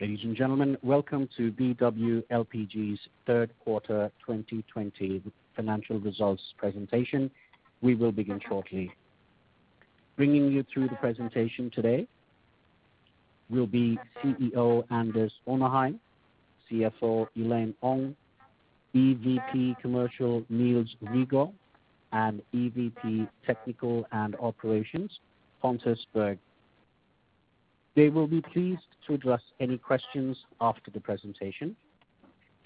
Ladies and gentlemen, welcome to BW LPG's third quarter 2020 financial results presentation. We will begin shortly. Bringing you through the presentation today will be CEO Anders Onarheim, CFO Elaine Ong, EVP Commercial Niels Rigault, and EVP Technical and Operations Pontus Berg. They will be pleased to address any questions after the presentation.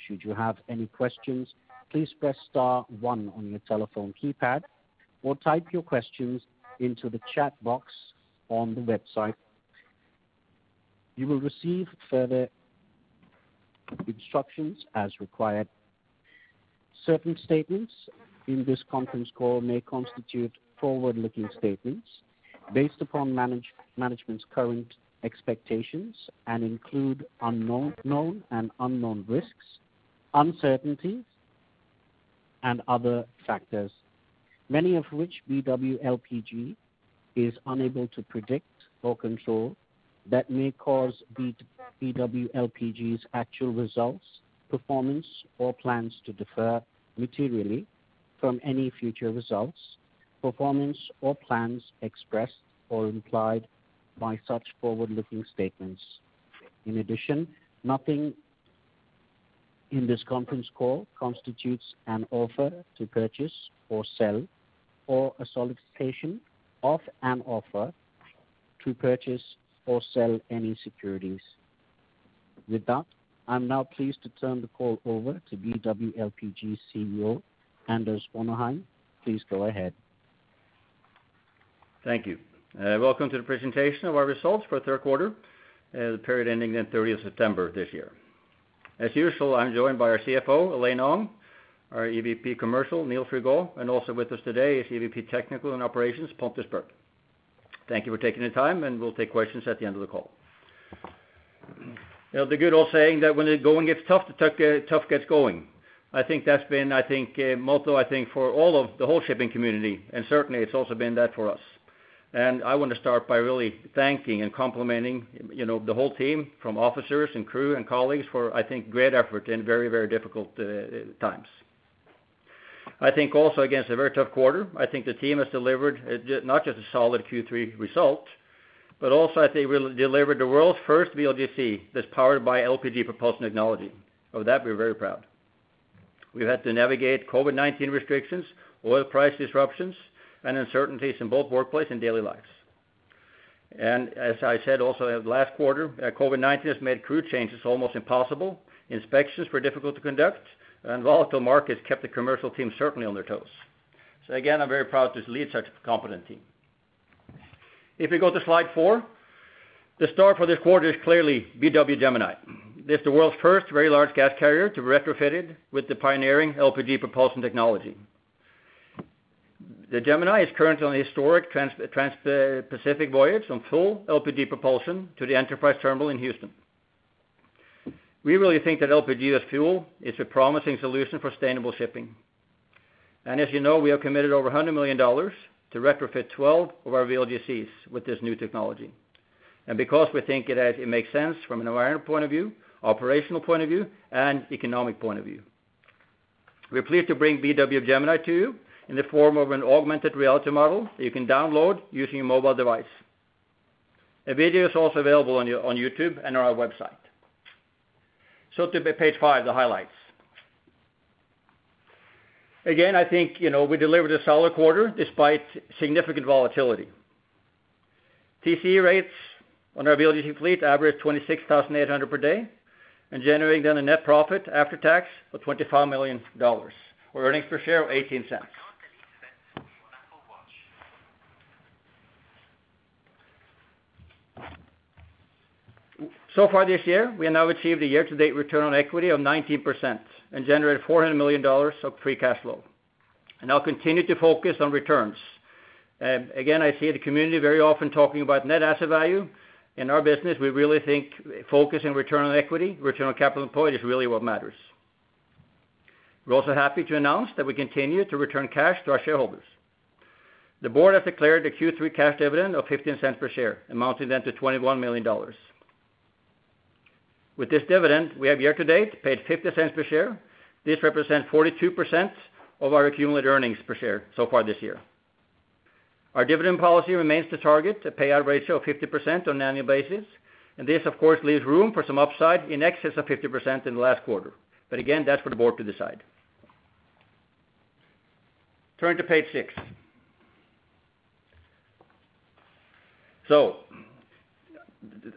Should you have any questions, please press star one on your telephone keypad or type your questions into the chat box on the website. You will receive further instructions as required. Certain statements in this conference call may constitute forward-looking statements based upon management's current expectations and include known and unknown risks, uncertainties, and other factors, many of which BW LPG is unable to predict or control. That may cause BW LPG's actual results, performance, or plans to differ materially from any future results, performance, or plans expressed or implied by such forward-looking statements. In addition, nothing in this conference call constitutes an offer to purchase or sell, or a solicitation of an offer to purchase or sell any securities. With that, I am now pleased to turn the call over to BW LPG CEO Anders Onarheim. Please go ahead. Thank you. Welcome to the presentation of our results for the third quarter, the period ending the September 30th this year. As usual, I'm joined by our CFO, Elaine Ong, our EVP Commercial, Niels Rigault, and also with us today is EVP Technical and Operations, Pontus Berg. Thank you for taking the time. We'll take questions at the end of the call. The good old saying that when the going gets tough, the tough gets going. I think that's been a motto for the whole shipping community. Certainly it has also been that for us. I want to start by really thanking and complimenting the whole team from officers and crew and colleagues for, I think, great effort in very difficult times. I think also against a very tough quarter, I think the team has delivered not just a solid Q3 result, but also I think we delivered the world's first VLGC that's powered by LPG propulsion technology. Of that, we are very proud. We've had to navigate COVID-19 restrictions, oil price disruptions, and uncertainties in both workplace and daily lives. As I said, also last quarter, COVID-19 has made crew changes almost impossible, inspections were difficult to conduct, and volatile markets kept the commercial team certainly on their toes. Again, I am very proud to lead such a competent team. If we go to slide four, the star for this quarter is clearly BW Gemini. It is the world's first Very Large Gas Carrier to be retrofitted with the pioneering LPG propulsion technology. The Gemini is currently on a historic trans-Pacific voyage on full LPG propulsion to the Enterprise terminal in Houston. We really think that LPG as fuel is a promising solution for sustainable shipping. As you know, we have committed over $100 million to retrofit 12 of our VLGCs with this new technology. Because we think it makes sense from an environment point of view, operational point of view, and economic point of view. We are pleased to bring BW Gemini to you in the form of an augmented reality model that you can download using your mobile device. A video is also available on YouTube and on our website. To page five, the highlights. Again, I think we delivered a solid quarter despite significant volatility. TCE rates on our VLGC fleet averaged $26,800 per day and generating a net profit after tax of $25 million, or earnings per share of $0.18. So far this year, we have now achieved a year-to-date return on equity of 19% and generated $400 million of free cash flow and now continue to focus on returns. Again, I see the community very often talking about net asset value. In our business, we really think focusing on return on equity, return on capital employed is really what matters. We are also happy to announce that we continue to return cash to our shareholders. The board has declared a Q3 cash dividend of $0.15 per share, amounting that to $21 million. With this dividend, we have year-to-date paid $0.50 per share. This represents 42% of our accumulated earnings per share so far this year. Our dividend policy remains to target a payout ratio of 50% on an annual basis, and this, of course, leaves room for some upside in excess of 50% in the last quarter. Again, that is for the board to decide. Turn to page six.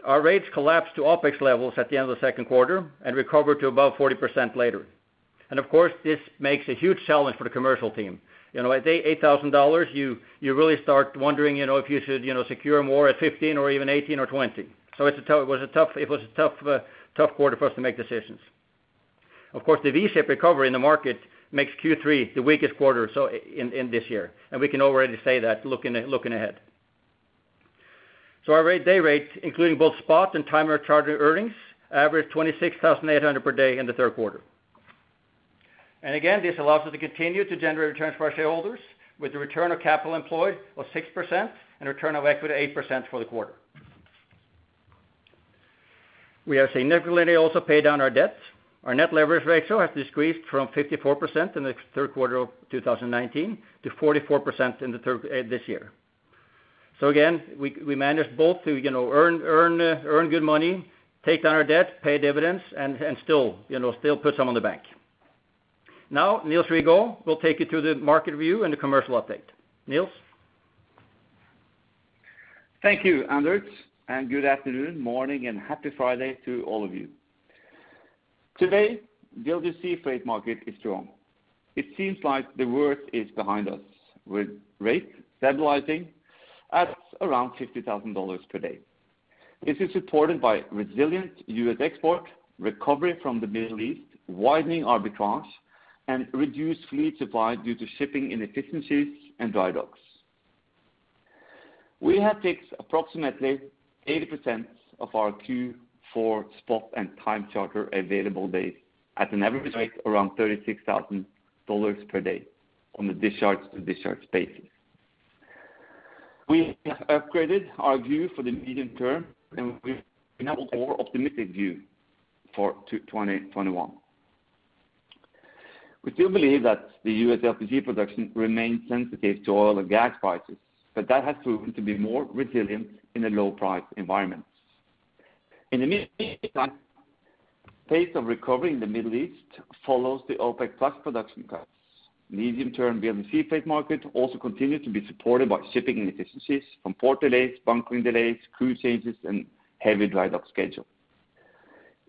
Our rates collapsed to OpEx levels at the end of the second quarter and recovered to above 40% later. Of course, this makes a huge challenge for the commercial team. At $8,000, you really start wondering if you should secure more at $15 or even $18 or $20. It was a tough quarter for us to make decisions. Of course, the V-shaped recovery in the market makes Q3 the weakest quarter in this year, and we can already say that looking ahead. Our day rate, including both spot and time charter earnings, averaged $26,800 per day in the third quarter. Again, this allows us to continue to generate returns for our shareholders with the return of capital employed of 6% and return of equity 8% for the quarter. We have significantly also paid down our debts. Our net leverage ratio has decreased from 54% in the third quarter of 2019 to 44% this year. Again, we managed both to earn good money, take down our debt, pay dividends, and still put some in the bank. Now, Niels Rigault will take you through the market view and the commercial update. Niels? Thank you, Anders. Good afternoon, morning, and happy Friday to all of you. Today, VLGC freight market is strong. It seems like the worst is behind us, with rate stabilizing at around $50,000 per day. This is supported by resilient U.S. export, recovery from the Middle East, widening arbitrage, and reduced fleet supply due to shipping inefficiencies and dry docks. We have fixed approximately 80% of our Q4 spot and time charter available days at an average rate around $36,000 per day on a discharge-to-discharge basis. We have upgraded our view for the medium term. We have a more optimistic view for 2021. We do believe that the U.S. LPG production remains sensitive to oil and gas prices. That has proven to be more resilient in a low price environment. In the meantime, pace of recovery in the Middle East follows the OPEC+ production cuts. Medium-term VLGC freight market also continue to be supported by shipping inefficiencies from port delays, bunkering delays, crew changes, and heavy dry dock schedule.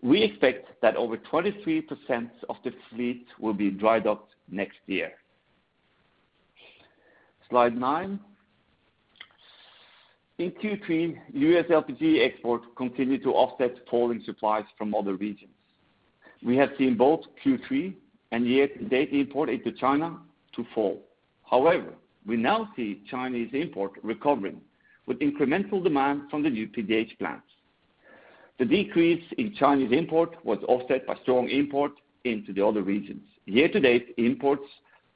We expect that over 23% of the fleet will be dry docked next year. Slide nine. In Q3, U.S. LPG export continued to offset falling supplies from other regions. We have seen both Q3 and year-to-date import into China to fall. However, we now see Chinese import recovering with incremental demand from the new PDH plants. The decrease in Chinese import was offset by strong import into the other regions. Year-to-date imports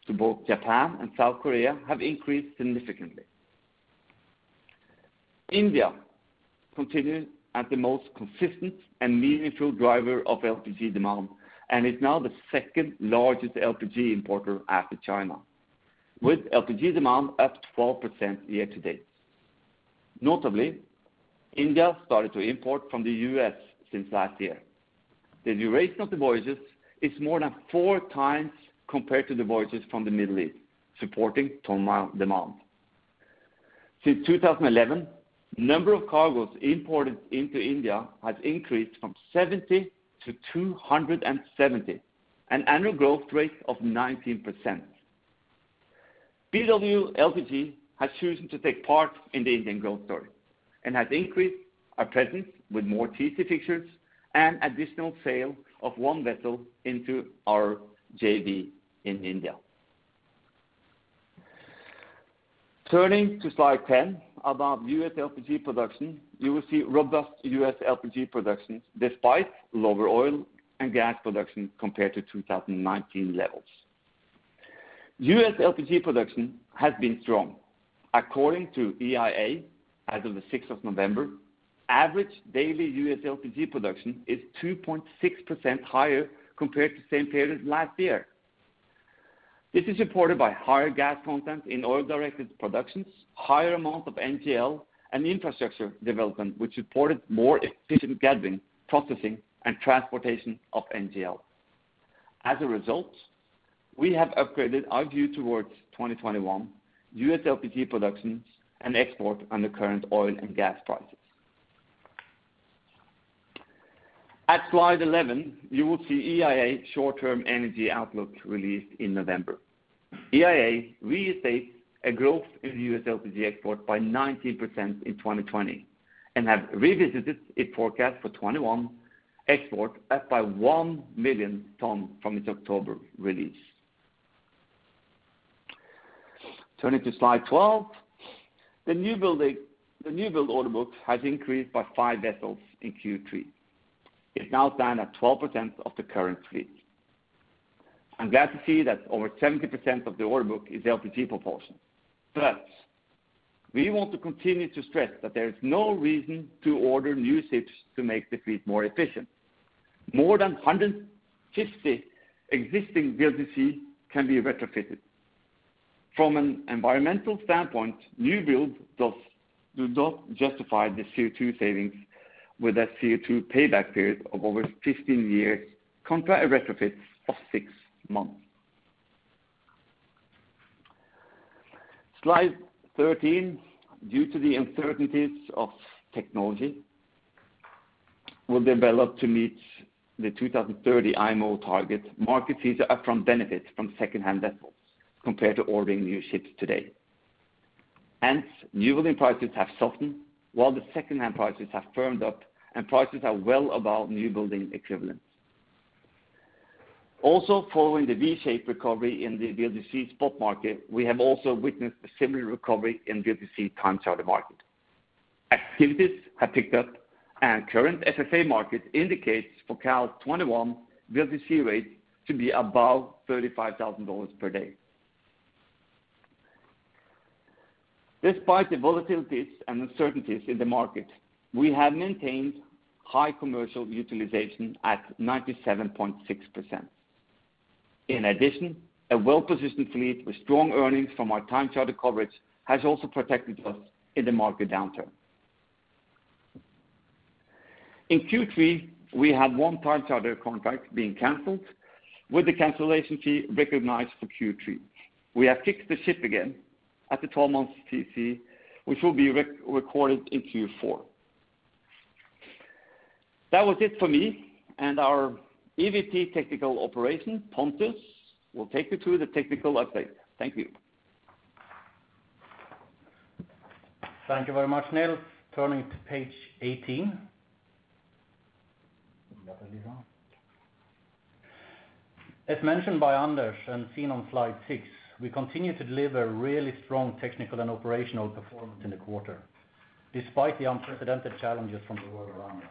to both Japan and South Korea have increased significantly. India continues as the most consistent and meaningful driver of LPG demand and is now the second-largest LPG importer after China, with LPG demand up 12% year-to-date. Notably, India started to import from the U.S. since last year. The duration of the voyages is more than four times compared to the voyages from the Middle East, supporting tonnage demand. Since 2011, the number of cargoes imported into India has increased from 70-270, an annual growth rate of 19%. BW LPG has chosen to take part in the Indian growth story and has increased our presence with more TC fixtures and additional sale of one vessel into our JV in India. Turning to slide 10 about U.S. LPG production, you will see robust U.S. LPG production despite lower oil and gas production compared to 2019 levels. U.S. LPG production has been strong. According to EIA, as of November 6th, average daily U.S. LPG production is 2.6% higher compared to the same period last year. This is supported by higher gas content in oil-directed productions, higher amount of NGL, and infrastructure development, which supported more efficient gathering, processing, and transportation of NGL. As a result, we have upgraded our view towards 2021 U.S. LPG production and export under current oil and gas prices. At slide 11, you will see EIA short-term energy outlook released in November. EIA restates a growth in U.S. LPG export by 19% in 2020 and have revisited its forecast for 2021 export up by 1 million tons from its October release. Turning to slide 12, the new-build order book has increased by five vessels in Q3. It now stands at 12% of the current fleet. I'm glad to see that over 70% of the order book is LPG proportion. We want to continue to stress that there is no reason to order new ships to make the fleet more efficient. More than 150 existing VLGC can be retrofitted. From an environmental standpoint, new builds do not justify the CO2 savings with a CO2 payback period of over 15 years, compared to a retrofit of six months. Slide 13. Due to the uncertainties of technology will develop to meet the 2030 IMO target, market sees an upfront benefit from secondhand vessels compared to ordering new ships today. New building prices have softened while the secondhand prices have firmed up, and prices are well above new building equivalents. Following the V-shaped recovery in the VLGC spot market, we have also witnessed a similar recovery in VLGC time charter market. Activities have picked up and current FFA market indicates for cal '21, VLGC rate to be above $35,000 per day. Despite the volatilities and uncertainties in the market, we have maintained high commercial utilization at 97.6%. In addition, a well-positioned fleet with strong earnings from our time charter coverage has also protected us in the market downturn. In Q3, we had one time charter contract being canceled with the cancellation fee recognized for Q3. We have fixed the ship again at the 12 months TC, which will be recorded in Q4. That was it for me and our EVP Technical Operations, Pontus, will take you through the technical update. Thank you. Thank you very much, Niels. Turning to page 18. As mentioned by Anders, seen on slide six, we continue to deliver really strong technical and operational performance in the quarter, despite the unprecedented challenges from the world around us.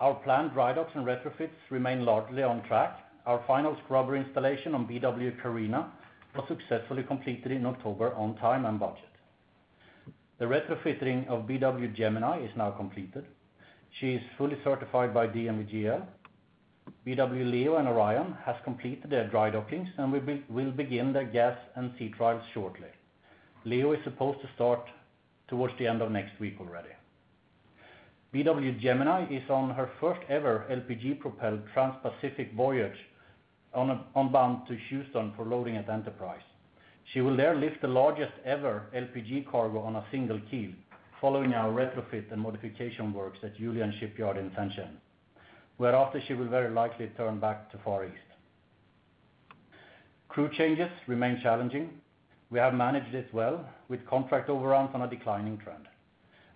Our planned dry docks and retrofits remain largely on track. Our final scrubber installation on BW Carina was successfully completed in October on time and budget. The retrofitting of BW Gemini is now completed. She is fully certified by DNV GL. BW Leo and Orion has completed their dry dockings and will begin their gas and sea trials shortly. Leo is supposed to start towards the end of next week already. BW Gemini is on her first ever LPG propelled transpacific voyage bound to Houston for loading at Enterprise. She will there lift the largest ever LPG cargo on a single keel, following our retrofit and modification works at Yiu Lian Dockyards in Shenzhen, whereafter she will very likely turn back to Far East. Crew changes remain challenging. We have managed it well with contract overruns on a declining trend.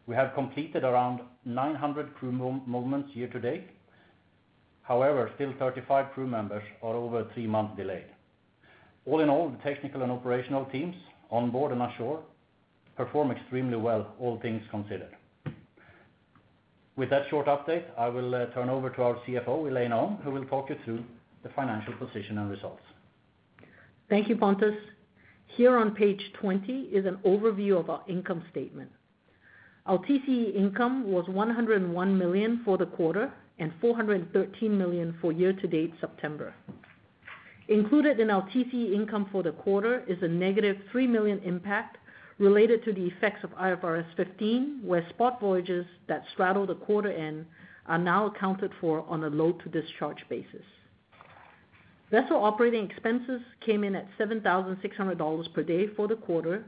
We have completed around 900 crew movements year-to-date. However, still 35 crew members are over a three-month delay. All in all, the technical and operational teams on board and offshore perform extremely well, all things considered. With that short update, I will turn over to our CFO, Elaine Ong, who will talk you through the financial position and results. Thank you, Pontus. Here on page 20 is an overview of our income statement. Our TCE income was $101 million for the quarter and $413 million for year-to-date September. Included in our TCE income for the quarter is a negative $3 million impact related to the effects of IFRS 15, where spot voyages that straddle the quarter end are now accounted for on a load to discharge basis. Vessel operating expenses came in at $7,600 per day for the quarter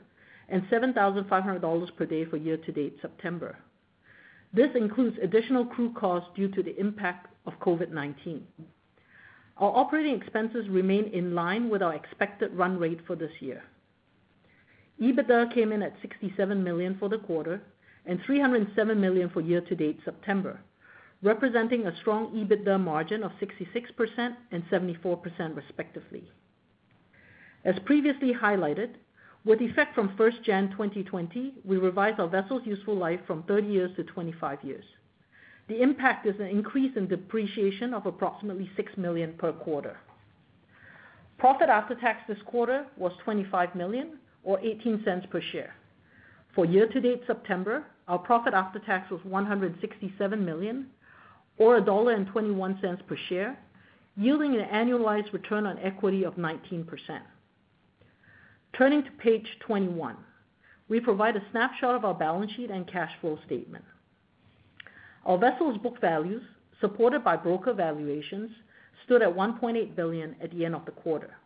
and $7,500 per day for year-to-date September. This includes additional crew costs due to the impact of COVID-19. Our operating expenses remain in line with our expected run rate for this year. EBITDA came in at $67 million for the quarter and $307 million for year-to-date September, representing a strong EBITDA margin of 66% and 74% respectively. As previously highlighted, with effect from first January 2020, we revised our vessels useful life from 30 years-25 years. The impact is an increase in depreciation of approximately $6 million per quarter. Profit after tax this quarter was $25 million or $0.18 per share. For year-to-date September, our profit after tax was $167 million or $1.21 per share, yielding an annualized return on equity of 19%. Turning to page 21, we provide a snapshot of our balance sheet and cash flow statement. Our vessels book values, supported by broker valuations, stood at $1.8 billion at the end of the quarter.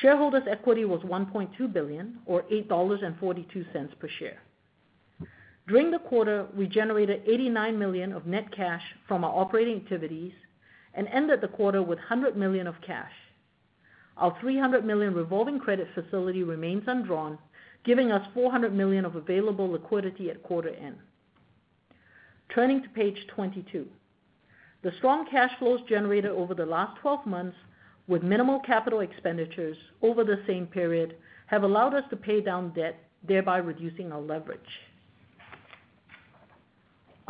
Shareholders' equity was $1.2 billion or $8.42 per share. During the quarter, we generated $89 million of net cash from our operating activities and ended the quarter with $100 million of cash. Our $300 million revolving credit facility remains undrawn, giving us $400 million of available liquidity at quarter end. Turning to page 22, the strong cash flows generated over the last 12 months with minimal capital expenditures over the same period have allowed us to pay down debt, thereby reducing our leverage.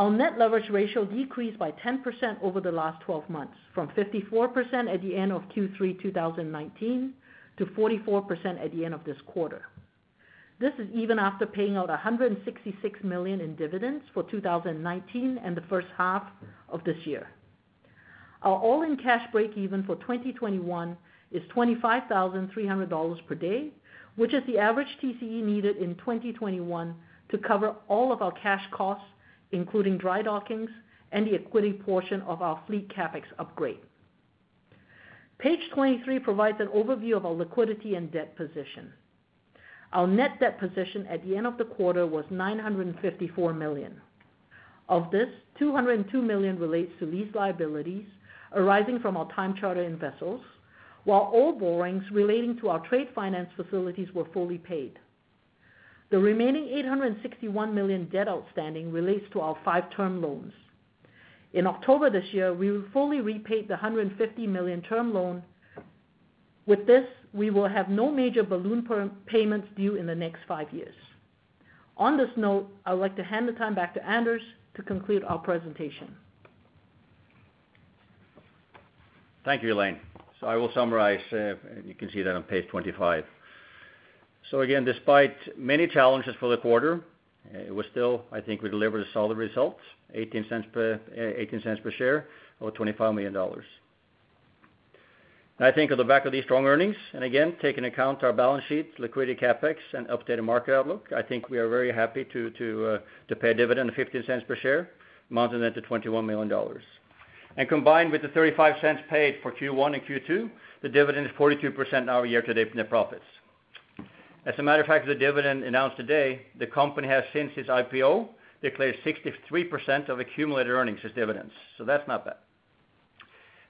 Our net leverage ratio decreased by 10% over the last 12 months from 54% at the end of Q3 2019 to 44% at the end of this quarter. This is even after paying out $166 million in dividends for 2019 and the first half of this year. Our all-in cash break even for 2021 is $25,300 per day, which is the average TCE needed in 2021 to cover all of our cash costs, including dry dockings and the equity portion of our fleet CapEx upgrade. Page 23 provides an overview of our liquidity and debt position. Our net debt position at the end of the quarter was $954 million. Of this, $202 million relates to lease liabilities arising from our time charter in vessels, while all borrowings relating to our trade finance facilities were fully paid. The remaining $861 million debt outstanding relates to our five-term loans. In October this year, we will fully repay the $150 million term loan. With this, we will have no major balloon payments due in the next five years. On this note, I would like to hand the time back to Anders to conclude our presentation. Thank you, Elaine. I will summarize, and you can see that on page 25. Again, despite many challenges for the quarter, we still delivered a solid result, $0.18 per share, or $25 million. On the back of these strong earnings, taking account our balance sheet, liquidity, CapEx, and updated market outlook, we are very happy to pay a dividend of $0.15 per share, amounting to $21 million. Combined with the $0.35 paid for Q1 and Q2, the dividend is 42% now year-to-date net profits. As a matter of fact, the dividend announced today, the company has, since its IPO, declared 63% of accumulated earnings as dividends. That's not bad.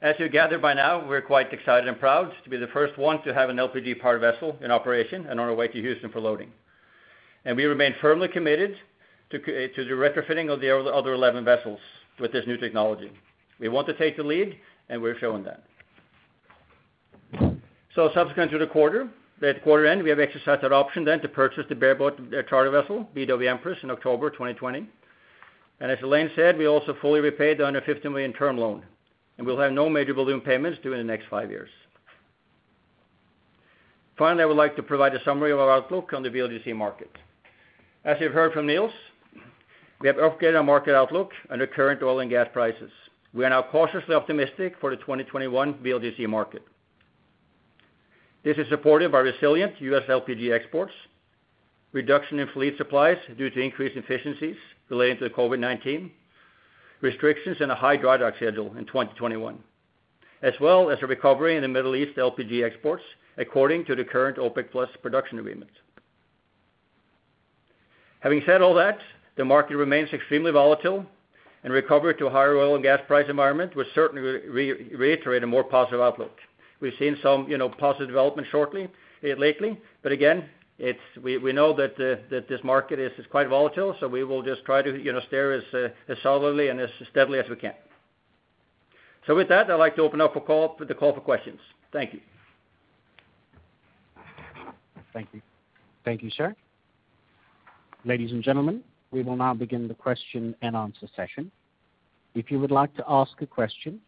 As you've gathered by now, we're quite excited and proud to be the first one to have an LPG-powered vessel in operation and on our way to Houston for loading. We remain firmly committed to the retrofitting of the other 11 vessels with this new technology. We want to take the lead, and we're showing that. Subsequent to the quarter, at quarter end, we have exercised our option then to purchase the bareboat charter vessel, BW Empress, in October 2020. As Elaine said, we also fully repaid the $150 million term loan, and we'll have no major balloon payments due in the next five years. Finally, I would like to provide a summary of our outlook on the VLGC market. As you've heard from Niels, we have upgraded our market outlook under current oil and gas prices. We are now cautiously optimistic for the 2021 VLGC market. This is supported by resilient U.S. LPG exports, reduction in fleet supplies due to increased efficiencies relating to the COVID-19 restrictions, and a high drydock schedule in 2021, as well as a recovery in the Middle East LPG exports, according to the current OPEC+ production agreements. Having said all that, the market remains extremely volatile, and recovery to a higher oil and gas price environment will certainly reiterate a more positive outlook. We've seen some positive development lately, but again, we know that this market is quite volatile, so we will just try to steer as solidly and as steadily as we can. With that, I'd like to open up the call for questions. Thank you. Thank you. Thank you, sir. Ladies and gentlemen, we will now begin the question-and-answer session. If you would like to ask a question,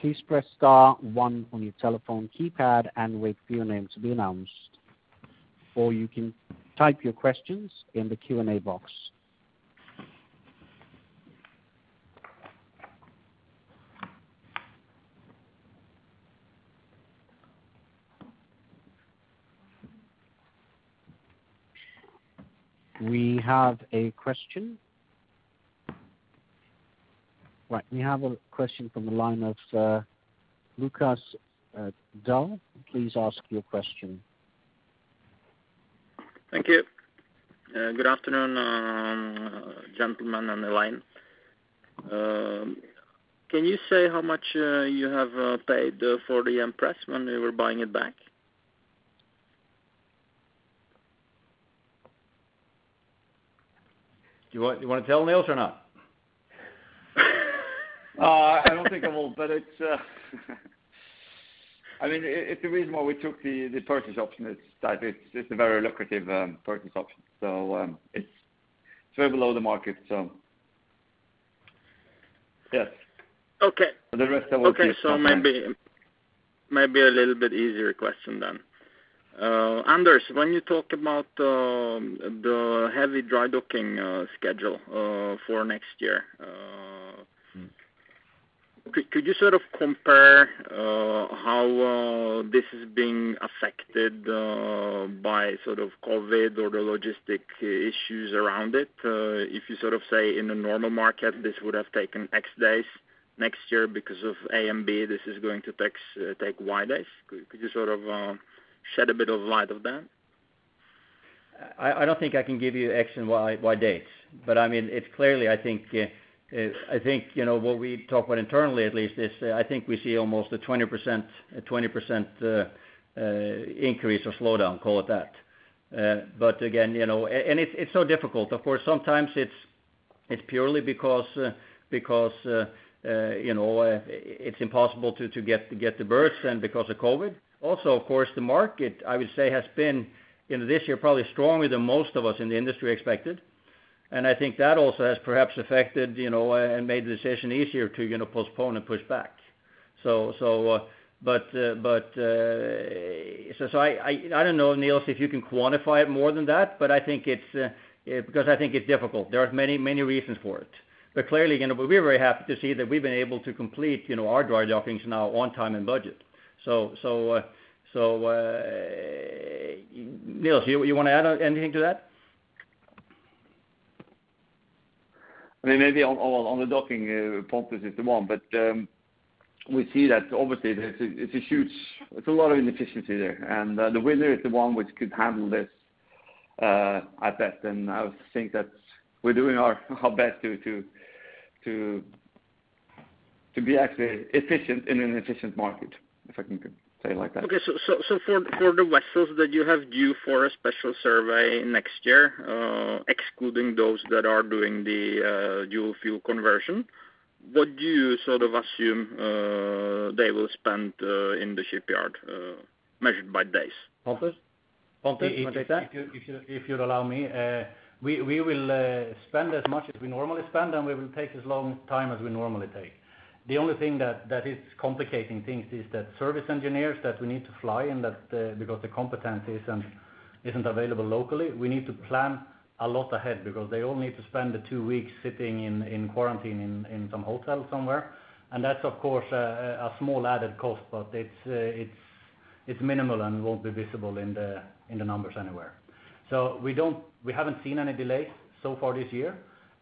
please press star one on your telephone keypad and wait for your name to be announced. You can type your questions in the Q&A box. We have a question. We have a question from the line of Lukas Daul. Please ask your question. Thank you. Good afternoon, gentlemen on the line. Can you say how much you have paid for the Empress when you were buying it back? Do you want to tell Niels or not? I don't think I will, but the reason why we took the purchase option is that it's a very lucrative purchase option. It's way below the market, so yes. Okay. The rest I will keep confidential. Maybe a little bit easier question. Anders, when you talk about the heavy dry docking schedule for next year, could you sort of compare how this is being affected by COVID or the logistic issues around it? If you say in a normal market, this would have taken X days. Next year, because of A and B, this is going to take Y days. Could you sort of shed a bit of light on that? I don't think I can give you X and Y dates, but it's clearly, I think what we talk about internally at least, is I think we see almost a 20% increase or slowdown, call it that. Again, it's so difficult. Of course, sometimes it's purely because it's impossible to get the berths and because of COVID. Of course, the market, I would say, has been, this year, probably stronger than most of us in the industry expected. I think that also has perhaps affected and made the decision easier to postpone and push back. I don't know, Niels, if you can quantify it more than that, but I think it's difficult. There are many reasons for it. Clearly, we're very happy to see that we've been able to complete our dry dockings now on time and budget. Niels, you want to add anything to that? Maybe on the docking part, this is the one. We see that obviously it's a lot of inefficiency there, and the winner is the one which could handle this at best. I would think that we're doing our best to. To be actually efficient in an efficient market, if I can say it like that. For the vessels that you have due for a special survey next year, excluding those that are doing the dual fuel conversion, what do you assume they will spend in the shipyard, measured by days? Pontus? Pontus, you want to take that? If you'll allow me. We will spend as much as we normally spend. We will take as long time as we normally take. The only thing that is complicating things is that service engineers that we need to fly because the competence isn't available locally, we need to plan a lot ahead because they all need to spend the two weeks sitting in quarantine in some hotel somewhere. That's of course a small added cost, but it's minimal and won't be visible in the numbers anywhere. We haven't seen any delays so far this year.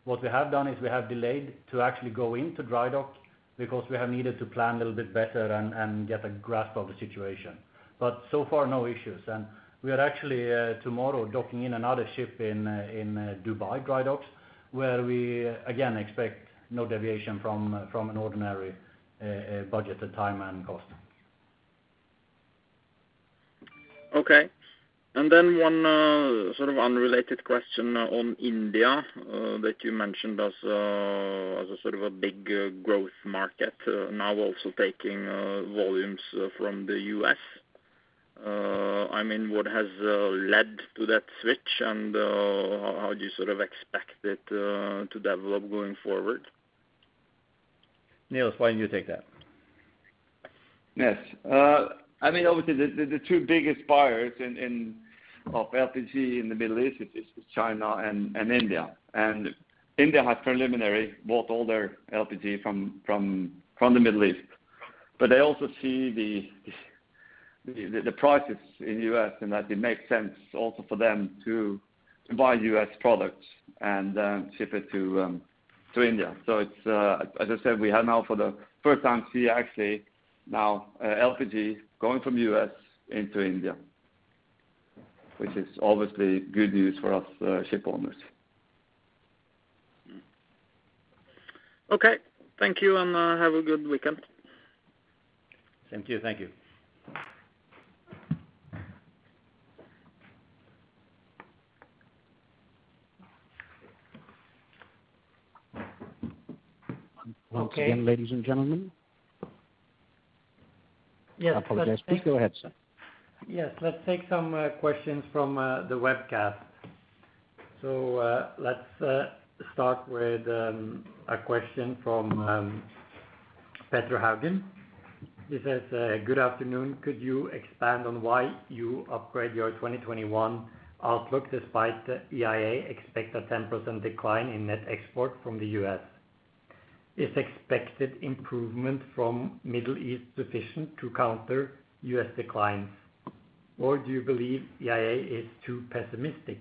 What we have done is we have delayed to actually go into dry dock because we have needed to plan a little bit better and get a grasp of the situation. So far, no issues. We are actually tomorrow docking in another ship in Dubai dry docks, where we again expect no deviation from an ordinary budgeted time and cost. Okay. One sort of unrelated question on India, that you mentioned as a sort of a big growth market. Now also taking volumes from the U.S. What has led to that switch, and how do you expect it to develop going forward? Niels, why don't you take that? Yes. Obviously, the two biggest buyers of LPG in the Middle East is China and India. India has primarily bought all their LPG from the Middle East. They also see the prices in U.S. and that it makes sense also for them to buy U.S. products and then ship it to India. As I said, we have now for the first time see actually now LPG going from U.S. into India, which is obviously good news for us ship owners. Okay. Thank you, and have a good weekend. Thank you. Thank you. Once again, ladies and gentlemen. Yes. I apologize. Please go ahead, sir. Yes. Let's take some questions from the webcast. Let's start with a question from Petter Haugen. He says, "Good afternoon. Could you expand on why you upgrade your 2021 outlook despite the EIA expect a 10% decline in net export from the U.S.? Is expected improvement from Middle East sufficient to counter U.S. declines, or do you believe EIA is too pessimistic?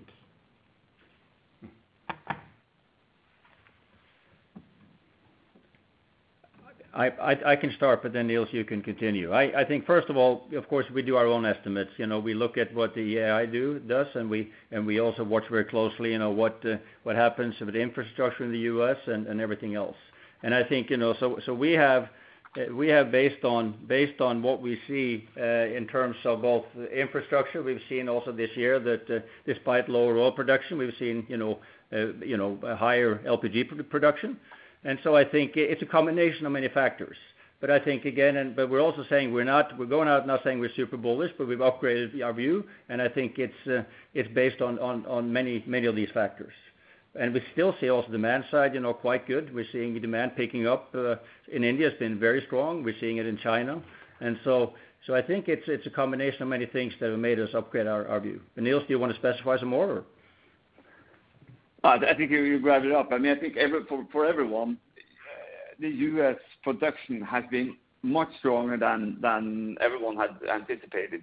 I can start, but then Niels, you can continue. I think first of all, of course, we do our own estimates. We look at what the EIA does, and we also watch very closely what happens with the infrastructure in the U.S. and everything else. I think, so we have based on what we see in terms of both the infrastructure, we've seen also this year that despite lower oil production, we've seen a higher LPG production. I think it's a combination of many factors. I think again, but we're also saying we're going out not saying we're super bullish, but we've upgraded our view, and I think it's based on many of these factors. We still see also demand side quite good. We're seeing demand picking up in India has been very strong. We're seeing it in China. I think it's a combination of many things that have made us upgrade our view. Niels, do you want to specify some more or? I think you wrapped it up. I think for everyone, the U.S. production has been much stronger than everyone had anticipated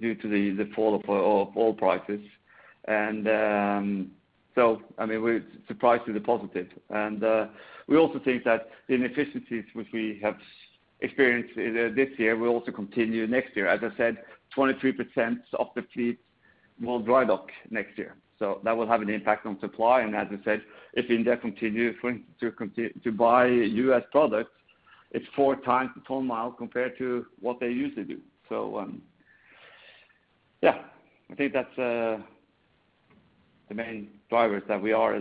due to the fall of oil prices. We're surprised with the positive. We also think that the inefficiencies which we have experienced this year will also continue next year. As I said, 23% of the fleet will dry dock next year. That will have an impact on supply. If India continue to buy U.S. products, it's four times the ton mile compared to what they usually do. Yeah. I think that's the main drivers that we are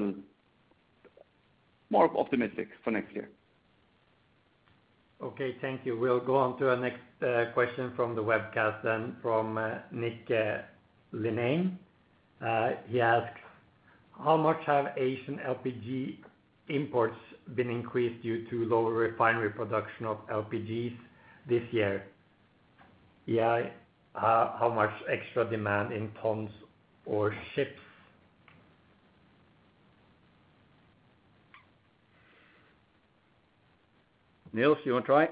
more optimistic for next year. Okay. Thank you. We'll go on to our next question from the webcast then from Nick Linnane. He asks, "How much have Asian LPG imports been increased due to lower refinery production of LPGs this year?" Yeah. How much extra demand in tons or ships? Niels, you want to try?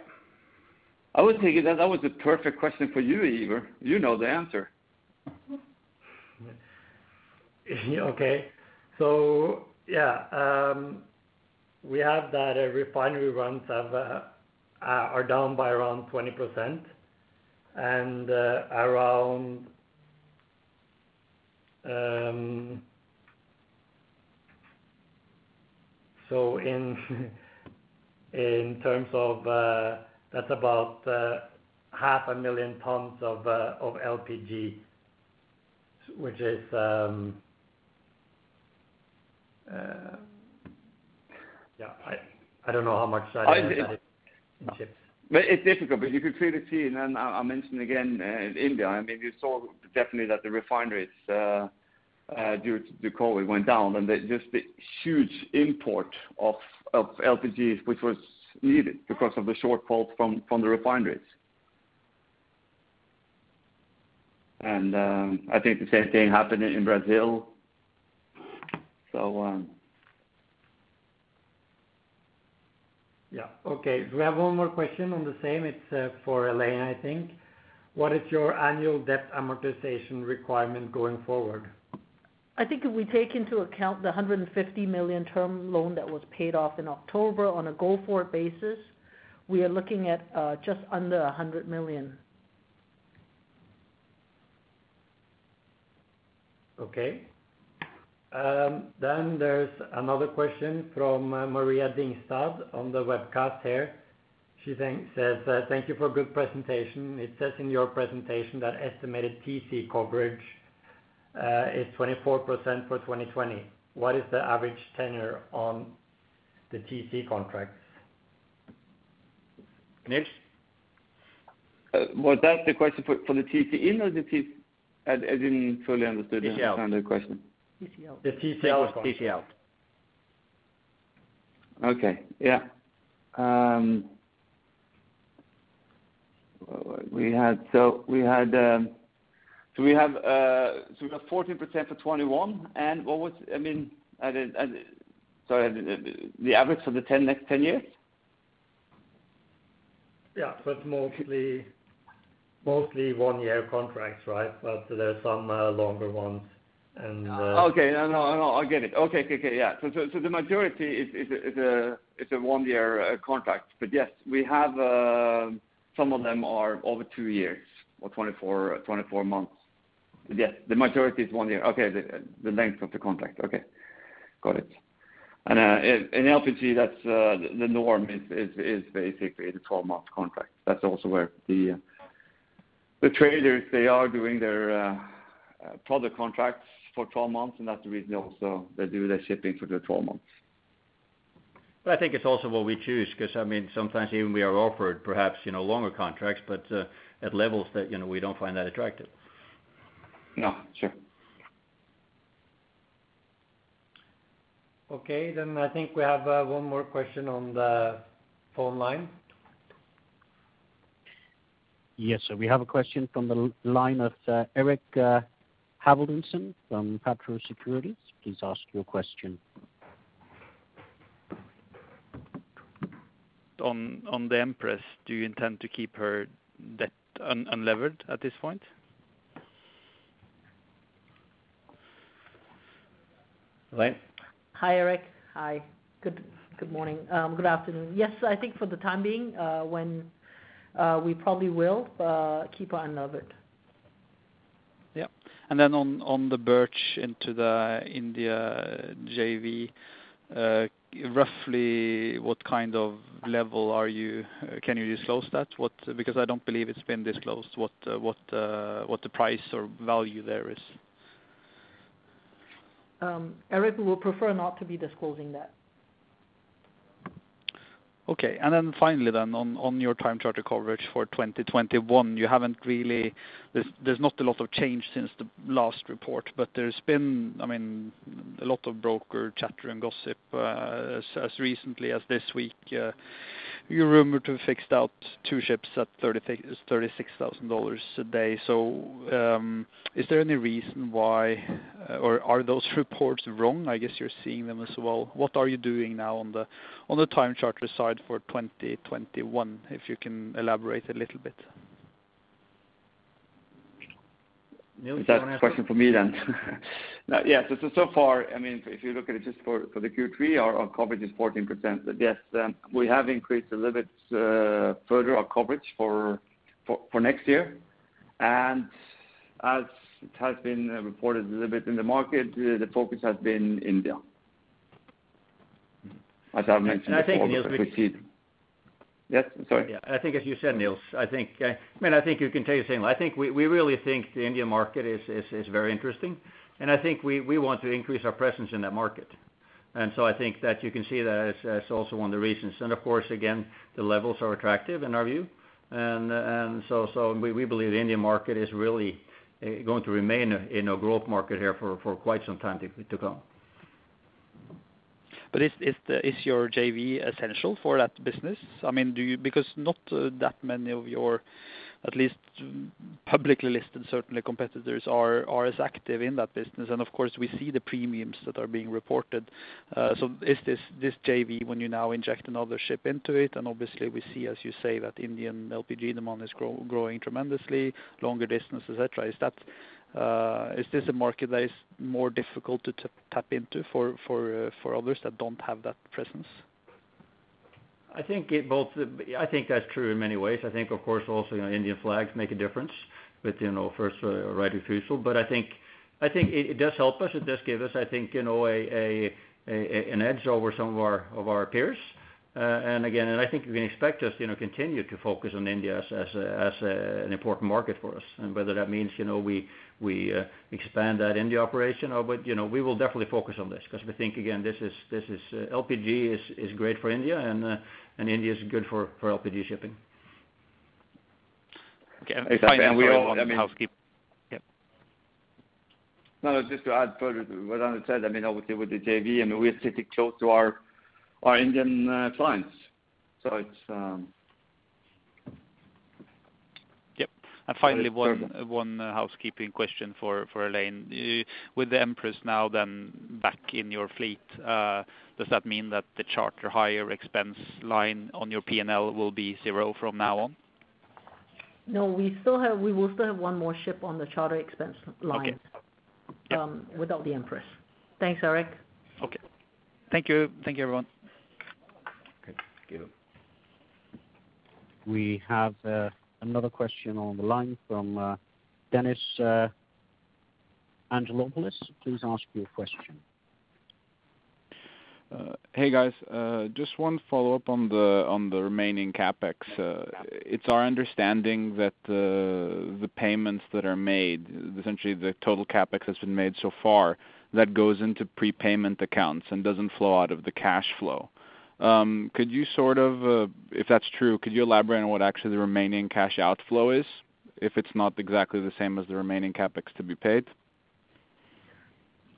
I would think that was the perfect question for you, Iver. You know the answer. Okay. We have that refinery runs are down by around 20%. That's about half a million tons of LPG, which is Yeah, I don't know how much that is in ships. It's difficult, but you could clearly see, and I'll mention again, India. You saw definitely that the refineries due to COVID went down and just the huge import of LPG, which was needed because of the shortfall from the refineries. I think the same thing happened in Brazil. Yeah. Okay. We have one more question on the same. It's for Elaine, I think. What is your annual debt amortization requirement going forward? I think if we take into account the $150 million term loan that was paid off in October, on a go-forward basis, we are looking at just under $100 million. Okay. There's another question from Maria Dingstad on the webcast here. She says thank you for a good presentation. It says in your presentation that estimated TC coverage is 24% for 2020. What is the average tenure on the TC contracts? Niels? Was that the question for the TC in or I didn't fully understood. TC out. the question. TC out. The TC out contract. Yes, TC out. Okay. Yeah. We have 14% for 2021, and sorry, the average for the next 10 years? Yeah, but mostly one-year contracts, right? There are some longer ones. Okay. No, I get it. Okay. Yeah. The majority is a one-year contract. Yes, we have some of them are over two years or 24 months. Yes, the majority is one year. Okay. The length of the contract. Okay. Got it. In LPG, the norm is basically the 12-month contract. That is also where the traders, they are doing their product contracts for 12 months, and that is the reason also they do their shipping for the 12 months. I think it's also what we choose because sometimes even we are offered perhaps longer contracts, but at levels that we don't find that attractive. Yeah, sure. Okay, I think we have one more question on the phone line. We have a question from the line of Eirik Haavaldsen from Pareto Securities. Please ask your question. On the Empress, do you intend to keep her debt unlevered at this point? Elaine? Hi, Eirik. Hi. Good morning. Good afternoon. Yes, I think for the time being, when we probably will keep her unlevered. Yeah. On the BW Birch into the India JV, roughly what kind of level can you disclose that? Because I don't believe it's been disclosed what the price or value there is? Eirik, we would prefer not to be disclosing that. Finally on your time charter coverage for 2021, there's not a lot of change since the last report, but there's been a lot of broker chatter and gossip as recently as this week. You rumored to have fixed out two ships at $36,000 a day. Is there any reason why, or are those reports wrong? I guess you're seeing them as well. What are you doing now on the time charter side for 2021, if you can elaborate a little bit? Niels, do you want to- Is that a question for me then? So far, if you look at it just for the Q3, our coverage is 14%. Yes, we have increased a little bit further our coverage for next year. As it has been reported a little bit in the market, the focus has been India. As I mentioned before. I think as you said, Niels, I think you can tell the same. I think we really think the India market is very interesting, and I think we want to increase our presence in that market. I think that you can see that as also one of the reasons. Of course, again, the levels are attractive in our view. We believe the India market is really going to remain in a growth market here for quite some time to come. Is your JV essential for that business? Not that many of your, at least publicly listed, certainly competitors are as active in that business. Of course, we see the premiums that are being reported. Is this JV, when you now inject another ship into it, and obviously we see, as you say, that Indian LPG demand is growing tremendously, longer distances, et cetera, a market that is more difficult to tap into for others that don't have that presence? I think that's true in many ways. I think, of course, also Indian flags make a difference with first right of refusal. I think it does help us. It does give us, I think, an edge over some of our peers. Again, I think you can expect us continue to focus on India as an important market for us, and whether that means we expand that India operation. We will definitely focus on this because we think, again, LPG is great for India and India is good for LPG shipping. Okay. Finally, one housekeeping. Yep. No, just to add further to what Anders said, obviously with the JV, and we are sitting close to our Indian clients. Yep. Finally, one housekeeping question for Elaine. With the Empress now then back in your fleet, does that mean that the charter hire expense line on your P&L will be zero from now on? No, we will still have one more ship on the charter expense line. Okay. Yep. Without the Empress. Thanks, Eirik. Okay. Thank you, everyone. Okay. Thank you. We have another question on the line from Dennis Angelopoulos. Please ask your question. Hey, guys. Just one follow-up on the remaining CapEx. It's our understanding that the payments that are made, essentially the total CapEx that's been made so far, that goes into prepayment accounts and doesn't flow out of the cash flow. If that's true, could you elaborate on what actually the remaining cash outflow is, if it's not exactly the same as the remaining CapEx to be paid?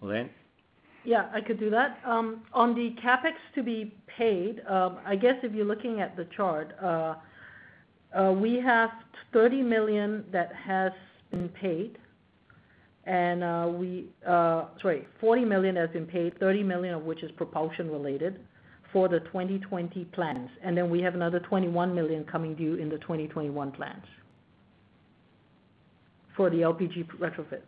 Elaine? Yeah, I could do that. On the CapEx to be paid, I guess if you're looking at the chart, we have $30 million that has been paid. Sorry, $40 million has been paid, $30 million of which is propulsion related for the 2020 plans. Then we have another $21 million coming due in the 2021 plans for the LPG retrofits.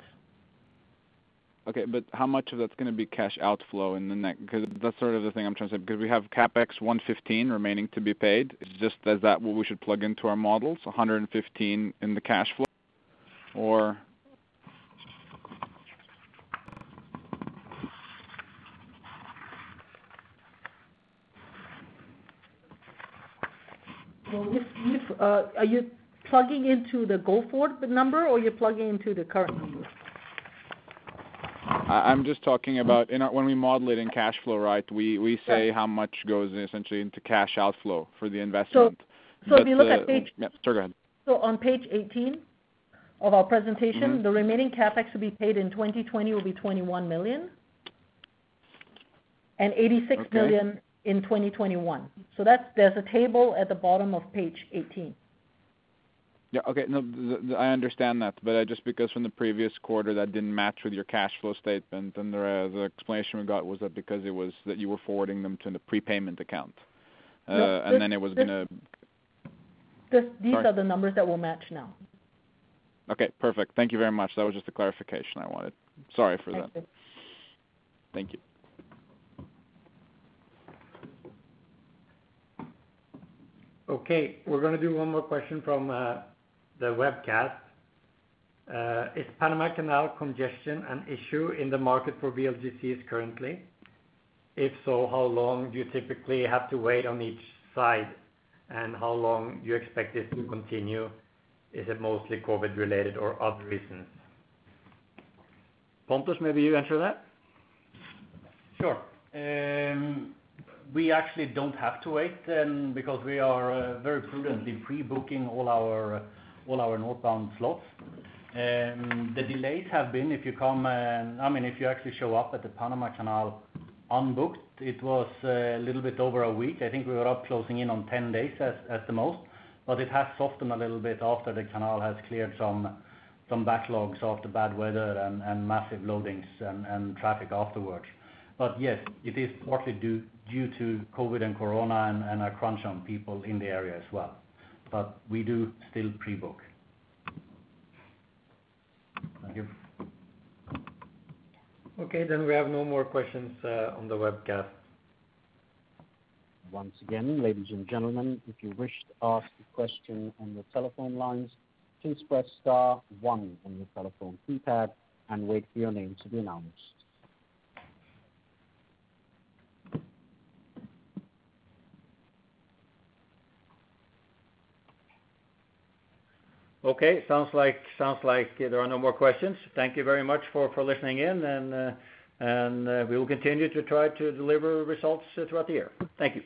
How much of that's going to be cash outflow? That's sort of the thing I'm trying to say, because we have CapEx $115 remaining to be paid. Is that what we should plug into our models, $115 in the cash flow, or? Are you plugging into the go-forward number or you're plugging into the current numbers? I'm just talking about when we model it in cash flow, right, we say how much goes essentially into cash outflow for the investment. If you look at page. Yeah, sorry. Go ahead. On page 18 of our presentation. The remaining CapEx to be paid in 2020 will be $21 million and $86 million. Okay. In 2021. There's a table at the bottom of page 18. Yeah. Okay. No, I understand that. Just because from the previous quarter that didn't match with your cash flow statement, and the explanation we got was that because you were forwarding them to the prepayment account, and then it was going to. These are the numbers that will match now. Okay, perfect. Thank you very much. That was just a clarification I wanted. Sorry for that. That's it. Thank you. Okay. We're going to do one more question from the webcast. Is Panama Canal congestion an issue in the market for VLGCs currently? If so, how long do you typically have to wait on each side, and how long do you expect this to continue? Is it mostly COVID related or other reasons? Pontus, maybe you answer that. Sure. We actually don't have to wait because we are very prudently pre-booking all our northbound slots. The delays have been, if you actually show up at the Panama Canal unbooked, it was a little bit over one week. I think we were up closing in on 10 days at the most. It has softened a little bit after the canal has cleared some backlogs after bad weather and massive loadings and traffic afterwards. Yes, it is partly due to COVID and corona and a crunch on people in the area as well. We do still pre-book. Thank you. Okay, we have no more questions on the webcast. Once again, ladies and gentlemen, if you wish to ask a question on the telephone lines, please press star one on your telephone keypad and wait for your name to be announced. Okay. Sounds like there are no more questions. Thank you very much for listening in, and we will continue to try to deliver results throughout the year. Thank you.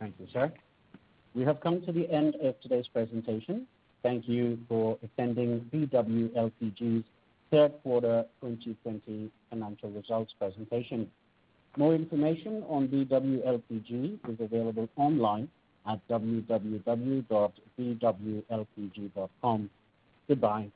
Thank you, sir. We have come to the end of today's presentation. Thank you for attending BW LPG's third quarter 2020 financial results presentation. More information on BW LPG is available online at www.bwlpg.com. Goodbye.